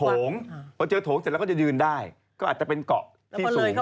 โถงพอเจอโถงเสร็จแล้วก็จะยืนได้ก็อาจจะเป็นเกาะที่สูง